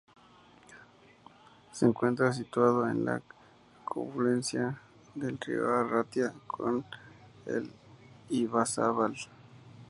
Se encuentra situado en la confluencia del río Arratia con el Ibaizábal.